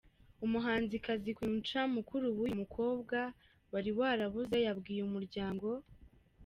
Umuhanzikazi Queen Cha, mukuru w’uyu mukobwa wari warabuze, yabwiye Umuryango.